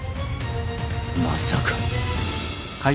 まさか。